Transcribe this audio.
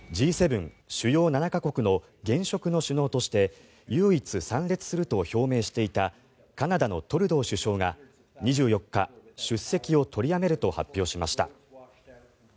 主要７か国の現職の首脳として唯一、参列すると表明していたカナダのトルドー首相が２４日、出席を取りやめると発表しました。